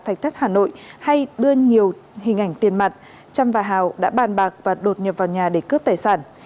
thạch thất hà nội hay đưa nhiều hình ảnh tiền mặt trâm và hào đã bàn bạc và đột nhập vào nhà để cướp tài sản